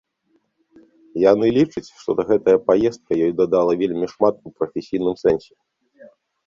Яны лічыць, што гэтая паездка ёй дадала вельмі шмат у прафесійным сэнсе.